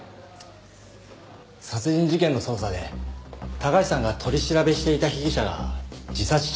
殺人事件の捜査で高橋さんが取り調べしていた被疑者が自殺しちゃったんです。